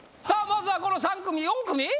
まずはこの３組４組？